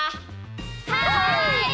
はい！